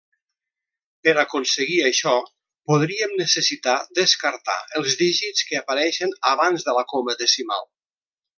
Per aconseguir això, podríem necessitar descartar els dígits que apareixen abans de la coma decimal.